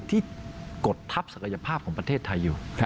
กดทับศักยภาพของประเทศไทยอยู่